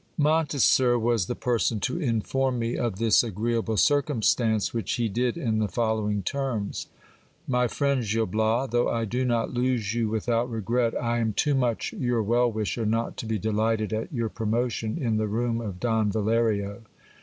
Monteser was the person to inform me of this agreeable circumstance, which he did in the following terms : My friend Gil Bias, though I do not lose you without regret, I am too much your well wisher not to be delighted at your promotion in the room of Don Valerio.